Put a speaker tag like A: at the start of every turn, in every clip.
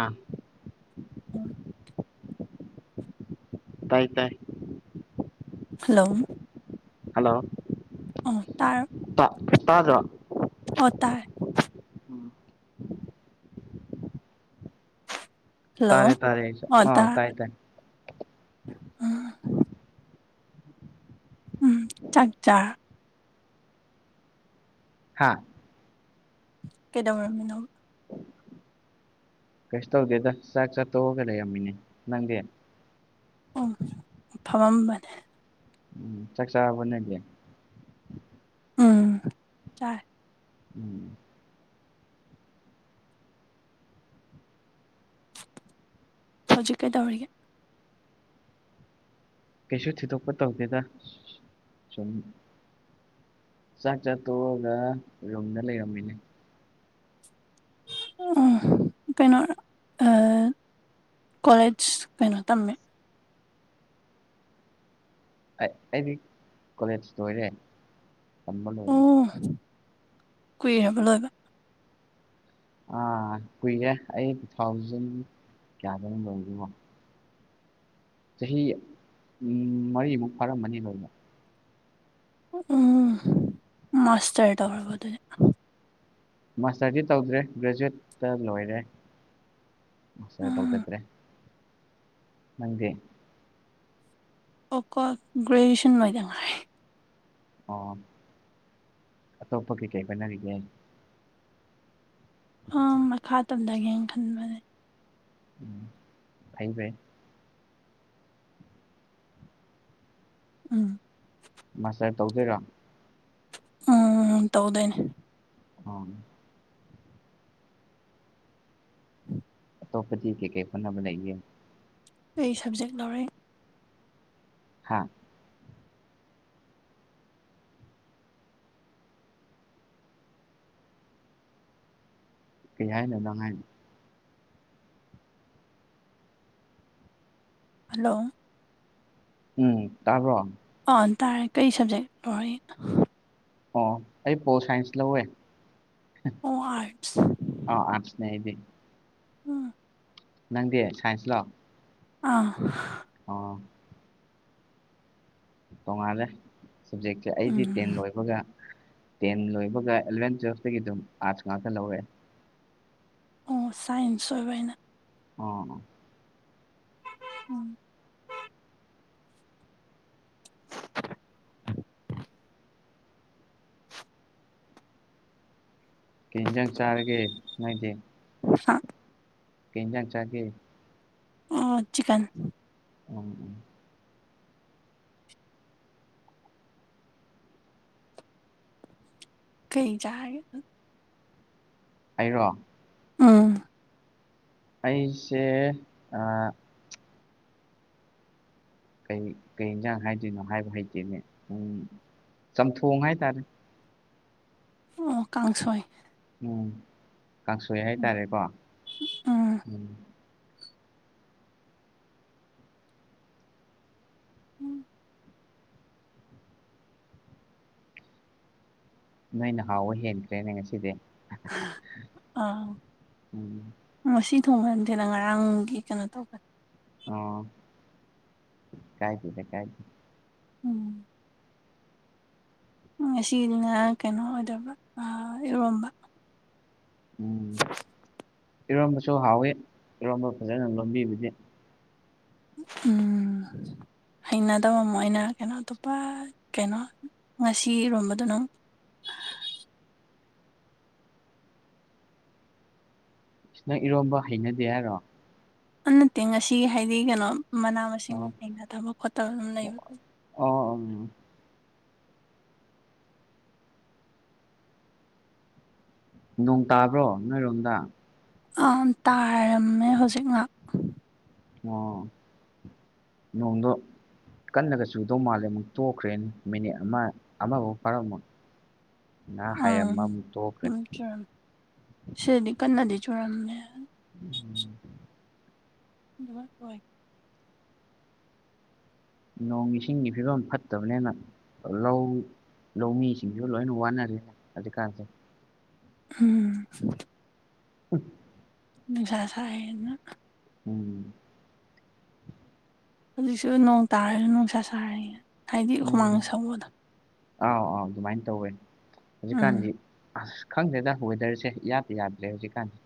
A: ꯑꯥ
B: ꯎꯝ
A: ꯇꯥꯏ ꯇꯥꯏ
B: ꯍꯜꯂꯣ
A: ꯍꯜꯂꯣ
B: ꯑꯣ ꯇꯥꯔ
A: ꯇꯥ ꯇꯥꯗ꯭ꯔꯣ
B: ꯑꯣ ꯇꯥꯔꯦ ꯍꯜꯂꯣ
A: ꯇꯥꯔꯦ ꯇꯥꯔꯦ ꯑꯩꯁꯨ ꯑ ꯇꯥꯏ ꯇꯥꯏ
B: ꯑ ꯎꯝ ꯆꯥꯛ ꯆꯥ
A: ꯍꯥꯥ
B: ꯀꯩꯗꯧꯔꯝꯃꯤꯅꯣ
A: ꯀꯩꯁꯨ ꯇꯧꯗꯦꯗ ꯆꯥꯛ ꯆꯥ ꯇꯣꯛꯑꯒ ꯂꯩꯔꯝꯃꯤꯅꯦ ꯅꯪꯗꯤ
B: ꯐꯃꯝꯕꯅꯦ
A: ꯎ ꯆꯥꯛꯆꯥꯥꯔꯕꯣ ꯅꯪꯗꯤ
B: ꯎꯝ ꯆꯥꯔꯦ
A: ꯎꯝ
B: ꯍꯧꯖꯤꯛ ꯀꯩꯗꯧꯔꯤꯒꯦ
A: ꯀꯩꯁꯨ ꯊꯣꯏꯗꯣꯛꯄ ꯇꯧꯗꯦꯗ ꯁꯨ ꯁꯨꯝ ꯆꯥꯛ ꯆꯥ ꯇꯣꯛꯑꯒ ꯔꯨꯝꯗ ꯂꯩꯔꯝꯃꯤꯅꯦ
B: ꯎꯝ ꯑ ꯀꯩꯅꯣꯔꯣ ꯑ ꯀꯣꯂꯦꯖ ꯀꯩꯅꯣ ꯇꯝꯃꯦ
A: ꯑ ꯑꯩꯗꯤ ꯀꯣꯂꯦꯖ ꯂꯣꯏꯔꯦ ꯇꯝꯕ
B: ꯑꯣ
A: ꯂꯣꯏꯔꯦ
B: ꯀꯨꯏꯔꯕ ꯂꯣꯏꯕ
A: ꯑꯥ ꯀꯨꯏꯔꯦ ꯑꯩ ꯇꯨ ꯊꯥꯎꯖꯟ ꯀꯌꯥꯗꯅꯣ ꯂꯣꯏꯕꯗꯨꯕꯣ ꯆꯍꯤ ꯃꯔꯤꯃꯨꯛ ꯐꯥꯔꯝꯃꯅꯤ ꯂꯣꯏꯅ
B: ꯎꯝ ꯃꯥꯁꯇꯔ ꯇꯧꯔꯕ ꯑꯗꯨꯗꯤ
A: ꯃꯥꯁꯇꯔꯗꯤ ꯇꯧꯗ꯭ꯔꯦ ꯒ꯭ꯔꯦꯖꯨꯋꯦꯠꯇ ꯂꯣꯏꯔꯦ ꯃꯥꯁꯇꯔ
B: ꯎꯝ
A: ꯇꯧꯖꯗꯔꯦ ꯅꯪꯗꯤ
B: ꯑꯣꯀꯣ ꯒ꯭ꯔꯦꯖꯨꯋꯦꯁꯟ ꯂꯣꯏꯗꯪ ꯉꯥꯏꯔꯤ
A: ꯑꯣ ꯑꯇꯣꯞꯄ ꯀꯩꯀꯩ ꯍꯣꯠꯅꯔꯤꯒꯦ
B: ꯍ ꯃꯈꯥ ꯇꯝꯗꯒꯦꯅ ꯈꯟꯕꯅꯦ
A: ꯎꯝ ꯐꯩ ꯐꯩ
B: ꯎꯝ
A: ꯃꯥꯁꯇꯔ ꯇꯧꯗꯣꯏꯔꯣ
B: ꯎꯝ ꯇꯧꯗꯣꯏꯅꯦ
A: ꯎꯝ ꯇꯣꯞꯄꯗꯤ ꯀꯩ ꯀꯩ ꯍꯣꯠꯅꯕ ꯂꯩꯒꯦ
B: ꯑꯩ ꯁꯕꯖꯦꯛ ꯂꯧꯔꯛꯑꯦ
A: ꯍꯥꯥ ꯀꯩ ꯍꯥꯢꯅꯣ ꯅꯪꯍꯥꯢꯗꯣ
B: ꯍꯜꯂꯣ
A: ꯎꯝ ꯇꯥꯕꯔꯣ
B: ꯑꯥ ꯇꯥꯔꯦ ꯀꯩ ꯁꯕꯖꯦꯛ ꯂꯣꯏꯔꯛꯏꯅꯣ
A: ꯑꯣ ꯑꯩ ꯄꯣꯜ ꯁꯥꯏꯟꯁ ꯂꯧꯋꯦ
B: ꯑꯣ ꯑꯥꯔꯠꯁ
A: ꯅꯩꯕꯤ
B: ꯎꯝ
A: ꯅꯪꯗꯤ ꯁꯥꯏꯟꯁꯂꯣ
B: ꯑꯥ
A: ꯑꯣ ꯇꯣꯉꯥꯜꯂꯦ ꯁꯞꯖꯦꯛꯁꯦ ꯑꯩꯗꯤ
B: ꯎꯝ
A: ꯇꯦꯟ ꯂꯣꯏꯕꯒ ꯇꯦꯟ ꯂꯣꯏꯕꯒ ꯑꯦꯂꯚꯦꯟ ꯇꯨꯋꯦꯜꯐꯇꯒꯤ ꯑꯗꯨꯝ ꯑꯥꯔꯠꯁ ꯉꯥꯛꯇ ꯂꯧꯋꯦ
B: ꯑꯣ ꯁꯥꯏꯟꯁ ꯑꯣꯏꯕ ꯑꯩꯅ
A: ꯑꯣ
B: ꯎꯝ
A: ꯀꯩ ꯏꯟꯖꯥꯡ ꯆꯥꯔꯒꯦ ꯅꯣꯏꯗꯤ
B: ꯑꯣꯛꯁꯥ
A: ꯀꯩꯖꯥꯡ ꯆꯥꯒꯦ
B: ꯑꯣ ꯆꯤꯛꯀꯟ
A: ꯎꯝ ꯎꯝ
B: ꯀꯩ ꯆꯥꯒꯦ
A: ꯑꯩꯔꯣ
B: ꯎꯝ
A: ꯑꯩꯁꯦ ꯑꯥ ꯀꯩ ꯀꯩ ꯌꯦꯟꯁꯥꯡ ꯍꯥꯏꯗꯣꯏꯅꯣ ꯍꯥꯏꯕ ꯍꯩꯇꯦꯅꯦ ꯎꯝ ꯆꯝꯊꯣꯡ ꯍꯥꯏꯇꯥꯔꯦ
B: ꯑꯣ ꯀꯥꯡꯁꯣꯏ
A: ꯎꯝ ꯀꯥꯡꯁꯣꯏ ꯍꯥꯏꯇꯥꯔꯦꯀꯣ ꯎꯝ
B: ꯎꯝ
A: ꯅꯣꯏꯅ ꯍꯥꯎꯕ ꯍꯦꯟꯈ꯭ꯔꯦꯅꯦ ꯉꯁꯤꯗꯤ
B: ꯑꯥ
A: ꯎꯝ
B: ꯉꯁꯤ ꯊꯨꯡꯍꯟꯗꯦꯅ ꯉꯔꯥꯡꯒꯤ ꯀꯩꯅꯣ ꯇꯧꯕꯅꯤ
A: ꯑꯥ ꯀꯥꯢꯗꯦꯗ ꯀꯥꯢꯗꯦꯗ
B: ꯎꯝ ꯉꯁꯤꯅ ꯀꯩꯅꯣ ꯑꯣꯏꯗꯣꯏꯕ ꯏꯔꯣꯝꯕ
A: ꯎꯝ ꯏꯔꯣꯝꯕꯁꯨ ꯍꯥꯎꯋꯤ ꯏꯔꯣꯝꯕ ꯐꯖꯅ ꯂꯣꯝꯕꯤꯕꯒꯤ
B: ꯎꯝ ꯍꯩꯅꯗꯕ ꯃꯣꯢꯅ ꯀꯩꯅꯣ ꯑꯇꯣꯞꯄ ꯀꯩꯅꯣ ꯉꯁꯤ ꯏꯔꯣꯝꯕꯗꯣ ꯅꯪ [inaudible]
A: ꯏꯁ ꯅꯪ ꯏꯔꯣꯝꯕ ꯍꯩꯅꯗꯦ ꯍꯥꯏꯔꯣ
B: ꯅꯠꯇꯦ ꯉꯁꯤ ꯍꯥꯏꯗꯤ ꯀꯅꯣ ꯃꯅꯥ ꯃꯁꯤꯡ
A: ꯑꯣ
B: ꯊꯦꯡꯅ [unintelligible] ꯈꯣꯠꯇꯕ ꯑꯗꯨꯝ ꯂꯩꯕ
A: ꯑꯣ ꯎꯝ ꯅꯣꯡ ꯇꯥꯕ꯭ꯔꯣ ꯅꯣꯏꯔꯣꯝꯗ
B: ꯑ ꯇꯥꯔꯝꯃꯦ ꯍꯧꯖꯤꯛ ꯉꯍꯥꯛ
A: ꯑꯣ ꯅꯣꯡꯗꯣ ꯀꯟꯅꯒ ꯆꯨꯗꯧ ꯃꯥꯜꯂꯦ ꯃꯨꯛ ꯇꯣꯛꯈ꯭ꯔꯦꯅ ꯃꯤꯅꯤꯠ ꯑꯃ ꯑꯃꯕꯥꯎ ꯐꯥꯔꯝꯃꯣꯢ ꯅ ꯍꯥꯏꯔꯝꯃ
B: ꯎꯝ
A: ꯃꯨꯛ ꯇꯣꯛꯈ꯭ꯔꯦ
B: ꯑꯗꯨꯝ ꯆꯨꯔꯝꯃꯦ ꯁꯤꯗꯗꯤ ꯀꯟꯅꯗꯤ ꯆꯨꯔꯝꯃꯦ
A: [inaudible]
B: [unintelligible]
A: ꯅꯣꯡ ꯏꯁꯤꯡꯒꯤ ꯐꯤꯕꯝ ꯐꯠꯇꯕꯅꯤꯅ ꯂꯧ ꯂꯧꯃꯤꯁꯤꯡꯁꯨ ꯂꯣꯏꯅ ꯋꯥꯅꯔꯦꯅꯦ ꯍꯧꯖꯤꯛꯀꯥꯟꯁꯦ
B: ꯎꯝ
A: [unintelligible]
B: ꯅꯨꯡꯁꯥ ꯁꯥꯏꯑꯦꯅ
A: ꯎꯝ
B: ꯍꯧꯖꯤꯛꯁꯨ ꯅꯣꯡ ꯇꯥꯔꯁꯨ ꯅꯣꯡꯁꯥ ꯁꯔꯤꯌꯦ ꯍꯥꯢꯗꯤ
A: ꯎꯝ
B: ꯍꯨꯃꯥꯡꯒ ꯁꯧꯕꯗꯣ
A: ꯑꯥꯎ ꯑꯥꯎ ꯑꯗꯨꯃꯥꯏ ꯇꯧꯋꯦ ꯍꯧꯖꯤꯛꯀꯥꯟꯗꯤ
B: ꯎꯝ
A: ꯑꯁ ꯈꯪꯗꯦꯗ ꯋꯦꯗ꯭ꯔꯁꯦ ꯏꯌꯥꯗ ꯌꯥꯗ꯭ꯔꯦ ꯍꯧꯖꯤꯛꯀꯥꯟꯁꯦ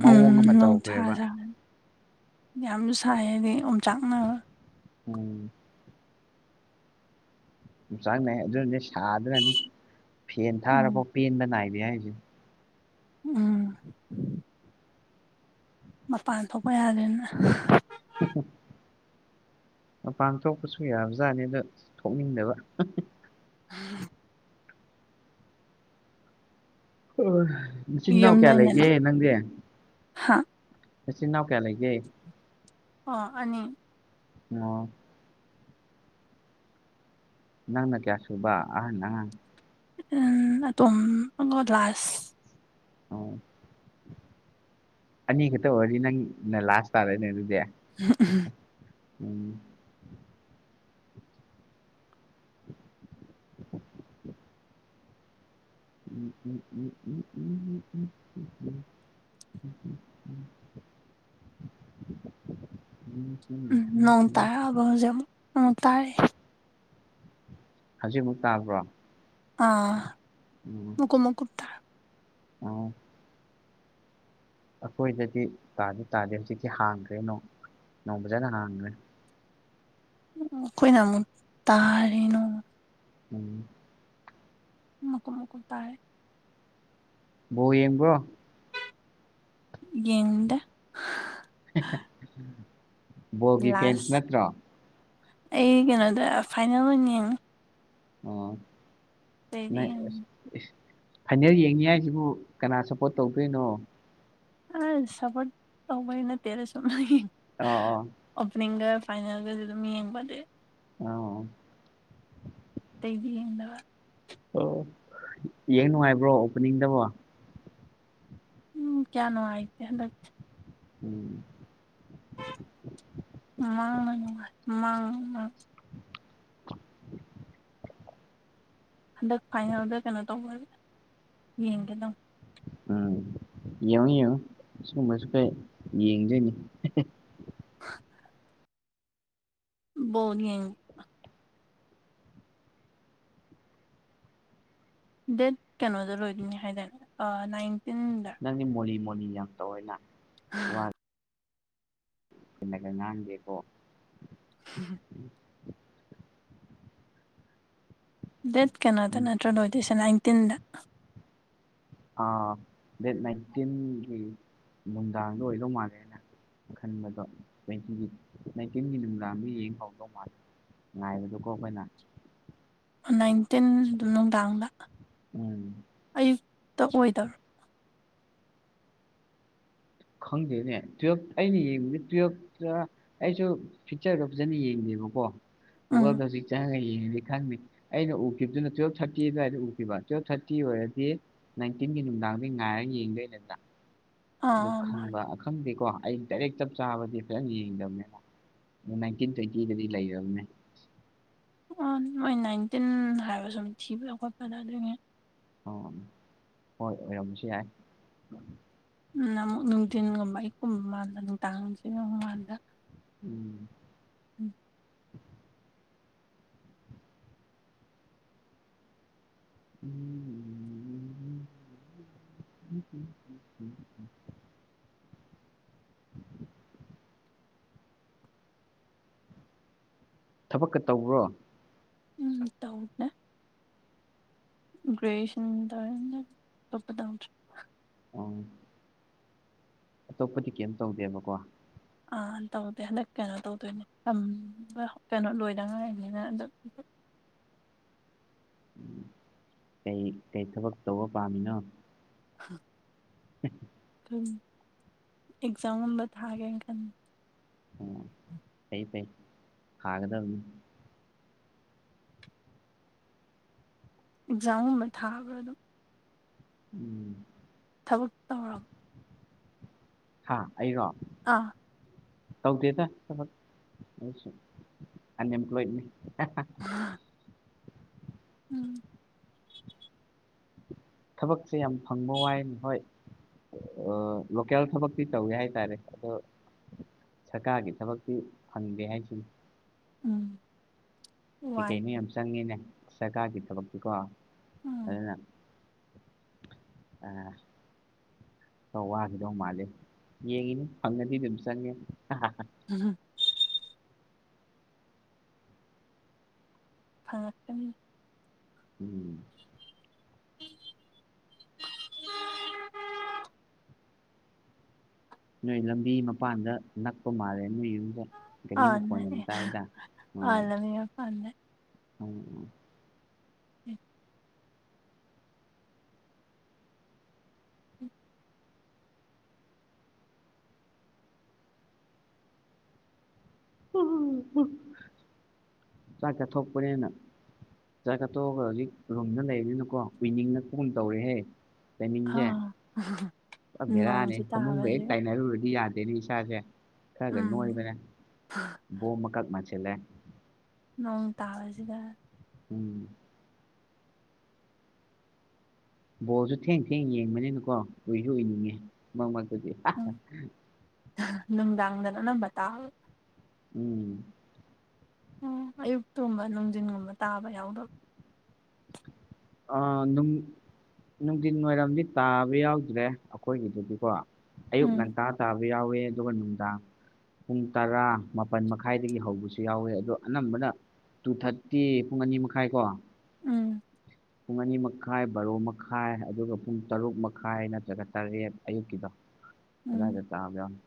A: ꯃꯑꯣꯡ
B: ꯎꯝ
A: ꯑꯃ ꯇꯧꯈ꯭ꯔꯦꯕ
B: [unintelligible] ꯌꯥꯝꯁꯨ ꯁꯥꯢ ꯍꯥꯢꯗꯤ ꯑꯣꯢꯆꯥꯛꯅ꯭ꯔꯒ
A: ꯎꯝ ꯆꯥꯡ ꯅꯥꯏ ꯑꯗꯨꯅꯦ ꯁꯥꯗ꯭ꯔꯅꯤ ꯐꯦꯟ
B: ꯎꯝ
A: ꯊꯥꯔꯐꯥꯎ ꯄꯦꯟꯕ ꯅꯥꯏꯗꯦ ꯍꯥꯏꯁꯦ
B: ꯎꯝ ꯃꯄꯥꯟ ꯊꯣꯛꯄ ꯌꯥꯗꯦꯅ
A: [unintelligible] ꯃꯄꯥꯟ ꯊꯣꯛꯄꯁꯨ ꯌꯥꯕꯖꯥꯠꯅꯤ ꯑꯗ ꯊꯣꯛꯅꯤꯡꯗꯕ
B: [inaudible]
A: ꯑꯣ ꯅꯌꯤꯟ ꯅꯥꯎ ꯀꯌꯥ ꯂꯩꯒꯦ ꯅꯪꯗꯤ
B: ꯍꯥꯥ
A: ꯏꯆꯤꯟꯅꯥꯎ
B: ꯑ ꯑꯅꯤ
A: ꯑꯣ ꯅꯪꯅ ꯀꯌꯥꯁꯨꯕ ꯑꯍꯟ ꯑꯉꯥꯡ
B: ꯑꯝ ꯑꯇꯣꯝ ꯑꯃ ꯂꯥꯁ
A: ꯑꯣ ꯑꯅꯤ ꯈꯛꯇ ꯑꯣꯏꯔꯗꯤ ꯅꯪꯅ ꯂꯥꯁ ꯇꯥꯔꯦꯅꯦ ꯑꯗꯨꯗꯤ
B: [unintelligible]
A: ꯎꯝ [inaudible] ꯎꯝ ꯎꯝ ꯎꯝ ꯎꯝ ꯎꯝ ꯎꯝ ꯎꯝ ꯎꯝ ꯎꯝ [unintelligible]
B: [inaudible] ꯎꯝ ꯅꯣꯡ ꯇꯥꯔꯛꯑꯕꯣꯖꯦ ꯑꯃꯨꯛ ꯑꯝ ꯇꯥꯔꯛꯑꯦ
A: ꯍꯧꯖꯤꯛꯃꯨꯛ ꯇꯥꯕ꯭ꯔꯣ
B: ꯑꯥ ꯃꯀꯨꯞ ꯃꯀꯨꯞ ꯇꯥ
A: INAUDIBLE ꯑꯩꯈꯣꯏꯗꯗꯤ ꯇꯥꯗꯤ-ꯇꯥꯗꯦ ꯍꯧꯖꯤꯛꯇꯤ ꯍꯥꯡꯈ꯭ꯔꯦ ꯅꯣꯡ ꯅꯣꯡ ꯐꯖꯅ ꯍꯥꯡꯈ꯭ꯔꯦ
B: ꯑꯈꯣꯏꯅ ꯑꯃꯨꯛ ꯇꯥꯔꯤ ꯅꯣꯡ
A: INAUDIBLE
B: ꯃꯀꯨꯨꯞ ꯃꯀꯨꯞ ꯇꯥꯏ
A: ꯕꯣꯜ ꯌꯦꯡꯕ꯭ꯔꯣ
B: ꯌꯦꯡꯗꯦ
A: ꯕꯣꯜꯒꯤ ꯐꯦꯟꯁ
B: ꯂꯥꯁ
A: ꯅꯠꯇ꯭ꯔꯣ
B: ꯑꯩ ꯀꯩꯅꯣꯗ ꯐꯥꯏꯅꯦꯜ ꯑꯣꯏꯅ ꯌꯦꯡꯅꯤ
A: ꯑꯣꯑꯣ ꯅꯪ
B: ꯌꯦꯡ
A: ꯢꯁ ꯢꯁ ꯐꯥꯏꯅꯦꯜ ꯌꯦꯡꯅꯤ ꯍꯥꯏꯁꯤꯕꯨ ꯀꯅꯥ ꯁꯞꯄꯣꯔꯠ ꯇꯧꯗꯣꯏꯅꯣ
B: ꯑꯥꯁ ꯁꯞꯄꯣꯔꯠ ꯇꯧꯕꯩ ꯇꯠꯇꯦꯗ ꯆꯨꯝꯅꯒꯤ
A: ꯑꯣ ꯑꯣ
B: ꯑꯣꯄꯅꯤꯡꯒ ꯐꯥꯏꯅꯦꯜꯒꯗꯤ ꯑꯗꯨꯝ ꯌꯦꯡꯕꯗꯤ
A: ꯑꯣꯑꯣ
B: ꯇꯩꯗꯤ ꯌꯦꯡꯗꯕ
A: ꯑꯣ ꯌꯦꯡ ꯅꯨꯡꯉꯥꯏꯕ꯭ꯔꯣ ꯑꯣꯄꯅꯤꯡꯗꯕꯣ
B: ꯎꯪ ꯀꯌꯥ ꯅꯨꯡꯥꯏꯇꯦ ꯍꯟꯗꯛꯇꯤ
A: INAUDIBLE
B: INAUDIBLE ꯍꯟꯗꯛ ꯐꯥꯏꯅꯦꯜꯗ ꯀꯩꯅꯣ ꯇꯧꯕ ꯌꯦꯡꯒꯦ ꯇꯧꯅꯦ
A: ꯎꯪ ꯌꯦꯡꯉꯨ ꯌꯦꯡꯉꯨ ꯁꯨꯝꯕꯖꯨ ꯈꯩ ꯌꯦꯡꯗꯣꯢꯅꯤ
B: ꯕꯣꯜ ꯌꯦꯡ ꯗꯦꯠ ꯀꯩꯅꯣꯗ ꯂꯣꯏꯗꯣꯏꯅꯤ ꯍꯥꯏꯗꯥꯢꯅꯦ ꯅꯥꯢꯟ
A: ꯅꯪꯗꯤ ꯃꯣꯜꯂꯤ ꯃꯣꯜꯂꯤ ꯌꯥꯝ ꯇꯧꯋꯦꯅ ꯋꯥ ꯆꯨꯝꯅ ꯀꯥ ꯉꯥꯡꯗꯦꯀꯣ
B: INAUDIBLE
A: INAUDIBLE
B: ꯗꯦꯠ ꯀꯩꯅꯣꯗ ꯅꯠꯇ꯭ꯔꯣ ꯂꯣꯏꯗꯣꯢꯁꯦ ꯅꯥꯏꯟꯇꯤꯟꯗ
A: ꯑꯥꯑꯥ ꯗꯦꯠ ꯅꯥꯏꯟꯇꯤꯟꯒꯤ ꯅꯨꯡꯗꯥꯡꯗ ꯑꯣꯏꯗꯧ ꯃꯥꯜꯂꯦꯅ ꯈꯟꯕꯗꯣ ꯅꯥꯏꯇꯤꯟꯒꯤ ꯅꯨꯡꯗꯥꯡꯗ ꯌꯦꯡꯍꯧꯗꯧ ꯃꯥꯜꯂꯦ ꯉꯥꯢꯕꯗꯨ ꯑꯩꯈꯣꯢꯅ
B: ꯅꯥꯏꯟꯇꯤꯟ ꯅꯨꯡꯗꯥꯡꯗ
A: ꯎꯝ
B: ꯑꯌꯨꯛ ꯇꯥ ꯑꯣꯏꯗꯕ꯭ꯔꯣ
A: ꯈꯪꯗꯦꯅꯦ ꯇꯨꯌꯦꯜꯚ ꯑꯩꯅ ꯌꯦꯡꯕꯅꯦ ꯇꯨꯌꯦꯜꯚꯇ ꯑꯩꯁꯨ ꯐꯤꯛꯆꯔꯗꯣ ꯐꯖꯅ ꯌꯦꯡꯗꯦ ꯒꯦꯕꯀꯣ
B: ꯎꯝ
A: ꯒꯨꯒꯥꯜꯗ ꯆꯪꯉꯥꯒ ꯌꯦꯡ ꯌꯦꯡꯉꯗꯤ ꯈꯪꯅꯤ ꯑꯩꯅ ꯎꯈꯤꯕꯗꯨꯅ ꯇꯨꯌꯦꯜꯚꯊꯥꯔꯇꯤ ꯑꯗꯨꯋꯥꯏꯗ ꯎꯈꯤꯕ ꯇꯨꯌꯦꯜꯚ ꯊꯥꯔꯇꯤ ꯑꯣꯏꯔꯗꯤ ꯅꯥꯢꯟꯇꯤꯟꯒꯤ ꯅꯨꯡꯗꯥꯡꯗ ꯉꯥꯏꯔꯒ ꯌꯦꯡꯗꯣꯏ ꯅꯠꯇ꯭ꯔꯥ
B: INAUDIBLE
A: ꯑꯗꯨ ꯈꯟꯕ ꯈꯪꯗꯦꯀꯣ ꯑꯩ ꯗꯥꯢꯔꯦꯛ ꯆꯞ- ꯆꯥꯕꯗꯤ ꯐꯖ ꯌꯦꯡꯗꯕꯅꯦꯕ ꯅꯥꯟꯇꯤꯟ ꯇꯣꯏꯟꯇꯤꯗꯗꯤ ꯂꯩꯔꯕꯅꯦ
B: ꯑꯥ ꯃꯣꯏ ꯅꯥꯏꯟꯇꯤꯟ ꯍꯥꯏꯕ ꯁꯨꯝ ꯊꯤꯕꯗ- ꯈꯣꯠꯄꯗ ꯑꯗꯨꯏꯅꯦ
A: ꯑꯣꯑꯣ ꯍꯣꯏ ꯑꯣꯏꯔꯝꯕꯁꯨ ꯌꯥꯏ
B: ꯅꯃꯨꯛ ꯅꯨꯡꯊꯤꯟꯒꯨꯝꯕ ꯑꯌꯨꯛꯀꯨꯝꯕ ꯃꯥꯜꯗ ꯅꯨꯡꯗꯥꯡꯁꯤꯒꯨꯝꯕ ꯃꯥꯟꯕ
A: ꯎꯝ
B: INAUDIBLE
A: INAUDIBLE [unintelligible] ꯊꯕꯛꯀ ꯇꯧꯕ꯭ꯔꯣ
B: ꯎꯝ ꯇꯧꯗꯦ ꯒ꯭ꯔꯦꯁꯟꯇꯧꯑꯦ ꯑꯇꯣꯞꯄ ꯇꯧꯗ꯭ꯔꯦ
A: ꯑꯪ ꯑꯇꯣꯞꯄꯗꯤ ꯀꯦꯝ ꯇꯧꯗꯦꯕꯀꯣ
B: ꯑ ꯇꯧꯗꯦ ꯍꯟꯗꯛ ꯀꯩꯅꯣ ꯇꯧꯗꯣꯏꯅꯦ ꯇꯝꯕ ꯀꯩꯅꯣ ꯂꯣꯏꯗꯉꯥꯏꯔꯤꯝꯅꯤꯅ ꯍꯟꯗꯛ [inaudible]
A: ꯎꯝ ꯀꯩ ꯀꯩ ꯊꯕꯛ ꯇꯧꯕ ꯄꯥꯝꯃꯤꯅꯣ
B: [unintelligible]
A: [unintelligible]
B: ꯎꯝ ꯑꯦꯛꯖꯥꯝ ꯒꯨꯝꯕ ꯊꯥꯒꯦ ꯈꯟ
A: ꯑꯣ ꯐꯩ ꯐꯩ ꯊꯥꯒꯗꯝꯅꯤ
B: ꯑꯦꯛꯖꯥꯝ ꯒꯨꯝꯕ ꯊꯥꯕ꯭ꯔ ꯗꯨꯝ
A: ꯎꯝ
B: ꯊꯕꯛ ꯇꯧꯔꯝ
A: ꯍꯥ ꯑꯩꯔꯣ
B: ꯑꯥ
A: ꯇꯧꯗꯦꯗ ꯊꯕꯛ ꯑꯩꯁꯨ ꯑꯟꯑꯦꯝꯄ꯭ꯂꯣꯏꯗꯅꯦ [unintelligible]
B: ꯎꯝ
A: ꯊꯕꯛꯁꯦ ꯌꯥꯝ ꯐꯪꯕ ꯋꯥꯏꯅꯦ ꯍꯣꯏ ꯑ ꯂꯣꯀꯦꯜ ꯊꯕꯛꯇꯤ ꯇꯧꯋꯦ ꯍꯥꯏꯇꯥꯔꯦ ꯑꯗꯣ ꯁꯔꯀꯥꯔꯒꯤ ꯊꯕꯛꯇꯤ ꯐꯪꯗꯦ ꯍꯥꯏꯁꯤꯅꯤ
B: ꯎꯝ
A: ꯀꯩ
B: ꯋꯥꯏ
A: ꯀꯩꯅꯣ ꯌꯥꯝ ꯆꯪꯉꯦꯅꯦ ꯁꯔꯀꯥꯔꯒꯤ ꯊꯕꯛꯇꯤꯀꯣ
B: ꯎꯝ
A: ꯑꯗꯨꯅ ꯑꯥ ꯈ ꯋꯥꯈꯤꯗꯧ ꯃꯥꯜꯂꯦ ꯌꯦꯡꯉꯤꯅꯦ ꯐꯪꯉꯗꯤ ꯑꯗꯨꯝ ꯆꯪꯉꯦ
B: ꯐꯪꯉꯛꯀꯅꯤ
A: ꯎꯝ ꯅꯣꯏ ꯂꯝꯕꯤ ꯃꯄꯥꯟꯗ ꯅꯛꯄ ꯃꯥꯜꯂꯦ ꯅꯣꯏ ꯌꯨꯝꯖꯦ ꯒꯔꯤ
B: ꯑꯥ
A: ꯃꯈꯣꯟ ꯌꯥꯝ
B: ꯅꯛꯑꯦ
A: ꯇꯥꯏꯗ
B: ꯑꯥ
A: ꯎꯝ
B: ꯂꯝꯕꯤ ꯃꯄꯥꯟ
A: [unintelligible]
B: ꯅꯛꯑꯦ
A: ꯆꯥꯛ ꯆꯠꯊꯣꯛꯄꯅꯦꯅ ꯆꯥꯛ ꯆꯊꯣꯛꯑꯒ ꯍꯧꯖꯤꯛ ꯔꯨꯝꯗ ꯂꯩꯕꯅꯤꯅꯀꯣ ꯎꯏꯅꯤꯡꯂꯛꯄꯒꯨꯝ ꯇꯧꯔꯦꯍꯦ ꯇꯥꯏꯃꯤꯡꯁꯦ
B: [unintelligible]
A: ꯄꯨꯔꯥ ꯕꯦꯔꯥꯅꯦ
B: ꯅꯣꯡꯁꯤ
A: ꯐꯃꯨꯡꯒ ꯍꯦꯛ
B: ꯇꯥꯕꯁꯤꯒ
A: ꯇꯥꯏꯅꯔꯨꯔꯗꯤ ꯌꯥꯗꯦꯅꯦ ꯏꯁꯥꯖꯦ ꯈꯔ ꯒ
B: ꯎꯝ
A: ꯅꯣꯏꯕꯅꯦ ꯕꯣꯝ ꯃꯀꯛ ꯃꯥꯁꯤꯜꯂꯛꯑꯦ
B: ꯅꯣꯡ ꯇꯥꯕꯁꯤꯗ
A: ꯎꯝ ꯕꯣꯜꯁꯨ ꯊꯦꯡ ꯊꯦꯡ ꯌꯦꯡꯕꯅꯤꯅꯀꯣ ꯎꯏꯁꯨ ꯎꯏꯅꯤꯡ ꯉꯦ ꯃꯛ ꯃꯛ
B: ꯎꯝ
A: [unintelligible]
B: ꯅꯨꯡꯗꯥꯡꯗꯅ ꯑꯅꯝꯕ ꯇꯥ
A: ꯎꯝ
B: ꯎꯝ ꯑꯌꯨꯛꯇꯨꯝꯕ ꯅꯨꯡꯗꯤꯟꯒꯨꯝꯕ ꯇꯥꯕ ꯌꯥꯎꯗꯕ
A: ꯑꯥ ꯅꯨꯡ ꯅꯨꯡꯗꯤꯟ ꯋꯥꯏꯔꯝꯗꯤ ꯇꯥꯕ ꯌꯥꯎꯗ꯭ꯔꯦ ꯑꯩꯈꯣꯏꯒꯤꯗꯨꯗꯤꯀꯣ ꯑꯌꯨꯛ
B: ꯎꯝ
A: ꯉꯟꯇꯥ ꯇꯥꯕ ꯌꯥꯎꯋꯦ ꯑꯗꯨꯒ ꯅꯨꯡꯗꯥꯡ ꯄꯨꯡ ꯇꯔꯥ ꯃꯥꯄꯜ ꯃꯈꯥꯏꯗꯒꯤ ꯍꯧꯕꯁꯨ ꯌꯥꯎꯋꯦ ꯑꯗꯣ ꯑꯅꯝꯕꯅ ꯇꯨ ꯊꯔꯇꯤ ꯄꯨꯡ ꯑꯅꯤ ꯃꯈꯥꯏ ꯀꯣ
B: ꯎꯝ
A: ꯄꯨꯡ ꯑꯅꯤ ꯃꯈꯥꯏ ꯕꯥꯔꯣ ꯃꯈꯥꯏ ꯑꯗꯨꯒ ꯄꯨꯡ ꯇꯔꯨꯛ ꯃꯈꯥꯏ ꯅꯠꯇ꯭ꯔꯒ ꯇꯔꯦꯠ ꯑꯌꯨꯛꯀꯤꯗꯣ
B: ꯎꯝ
A: ꯑꯗꯥꯏꯗ ꯇꯥꯕ ꯌꯥꯎꯅꯤ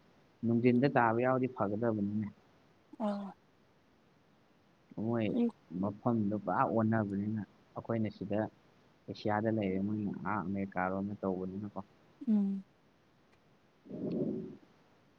A: ꯅꯨꯡꯊꯤꯟꯗ ꯇꯥꯕ ꯌꯥꯎꯗꯤ ꯐꯒꯗꯧꯕꯅꯤ
B: ꯑꯣ
A: ꯃꯣꯏ
B: ꯑꯌꯨꯛ
A: ꯃꯐꯝꯗꯣ ꯄꯨꯔꯥ ꯑꯣꯟꯅꯕꯅꯤꯅ ꯑꯈꯣꯏꯅ ꯁꯤꯗ ꯑꯦꯁꯤꯌꯥꯗ ꯂꯩꯔꯦ ꯃꯣꯏ ꯑꯥ ꯑꯃꯦꯔꯤꯀꯥꯔꯣꯝꯅ ꯇꯧꯕꯅꯤꯅꯀꯣ
B: ꯎꯝ
A: [inaudible]